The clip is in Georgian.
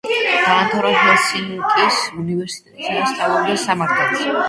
დაამთავრა ჰელსინკის უნივერსიტეტი, სადაც სწავლობდა სამართალს.